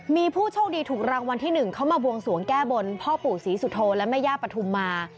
มีผู้โชคดีถูกรางวัลที่๑เข้ามาบวงสวงแก้บนพ่อปู่ศรีสุโธและแม่ย่าปฐุมมา